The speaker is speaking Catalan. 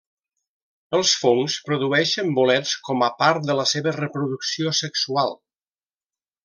Els fongs produeixen bolets com a part de la seva reproducció sexual.